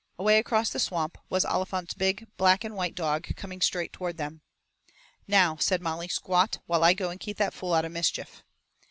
Away across the Swamp was Olifant's big black and white dog, coming straight toward them. "Now," said Molly, "squat while I go and keep that fool out of mischief."